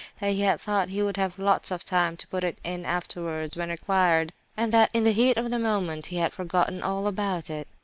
That he had thought he would have lots of time to put it in afterwards—when required—and, that, in the heat of the moment, he had forgotten all about it.